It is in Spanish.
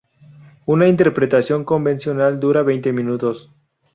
Una interpretación convencional dura veinte minutos.